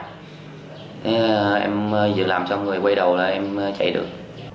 thế em giữ làm cho người quay đầu là em chạy được